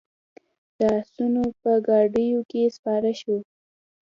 د آسونو په ګاډیو کې سپاره شوو.